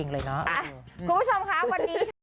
คุณผู้ชมครับวันนี้